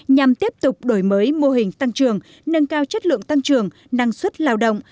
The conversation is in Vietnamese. nhằm tiếp tục đổi mới mô hình tăng trường nâng cao chất lượng tăng trưởng năng suất lao động